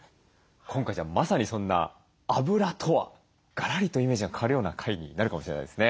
今回じゃあまさにそんなあぶらとはがらりとイメージが変わるような回になるかもしれないですね。